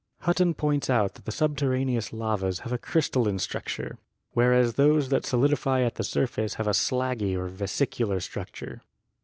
Hutton points out that the 62 GEOLOGY subterraneous lavas have a crystalline structure, whereas those that solidify at the surface have a slaggy or vesicular structure.